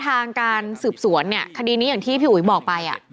ทางการสืบสวนเนี่ยคดีนี้อย่างที่พี่อุ๋ยบอกไป